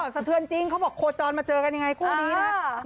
สะเทือนจริงเขาบอกโคจรมาเจอกันยังไงคู่นี้นะครับ